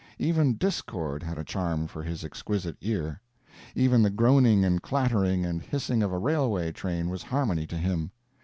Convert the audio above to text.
Even discord had a charm for his exquisite ear. Even the groaning and clattering and hissing of a railway train was harmony to him.